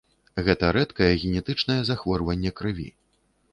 Гэта рэдкае генетычнае захворванне крыві.